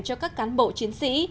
cho các cán bộ chiến sĩ